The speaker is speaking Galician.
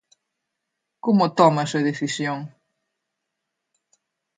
Como toma esa decisión?